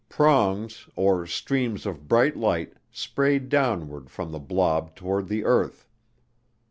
"Prongs, or streams of bright light, sprayed downward from the blob toward the earth."